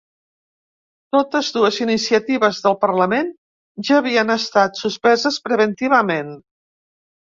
Totes dues iniciatives del parlament ja havien estat suspeses preventivament.